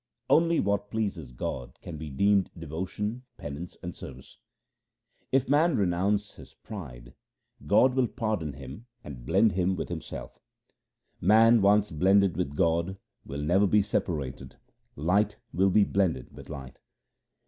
Only what pleases God can be deemed devotion, penance, and service :— If man renounce his pride, God will pardon him and blend him with Himself. SIKH. II R THE SIKH RELIGION Man once blended with God will never be separated ; light will be blended with light.